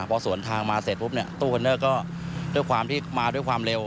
พอสวนทางมาเสร็จปุ๊บเนี่ยตู้คอนเจนเนอร์ก็มาด้วยความเร็ว